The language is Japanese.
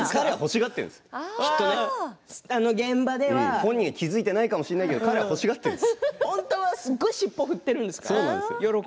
本人が気付いていないかもしれないけど彼は欲しがっているんです。